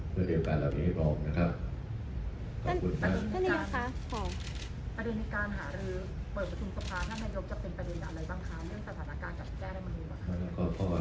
พัฒนาต่อสิ่งที่กันได้ความ